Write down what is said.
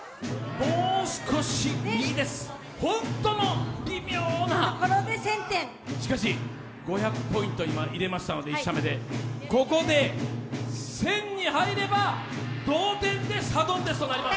もう少し右です、本当の微妙なしかし、５００ポイント、今、１射目で入れましたので、ここで１０００に入れば同点でサドンデスとなります。